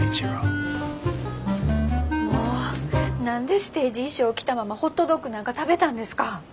何でステージ衣装着たままホットドッグなんか食べたんですか！